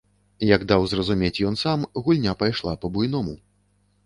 Як даў зразумець ён сам, гульня пайшла па-буйному.